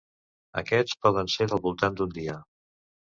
Aquests poden ser del voltant d'un dia.